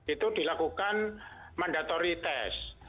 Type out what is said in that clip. itu dilakukan mandatory test